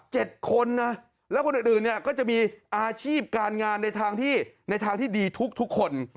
เจ็ดคนนะแล้วคนอื่นก็จะมีอาชีพการงานในทางที่ดีทุกคน